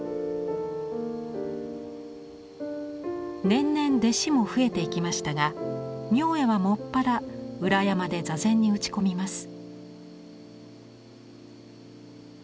年々弟子も増えていきましたが明恵は専ら裏山で坐禅に打ち込みます。